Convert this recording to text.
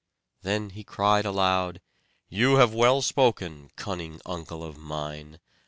Then he cried aloud: "You have well spoken, cunning uncle of mine!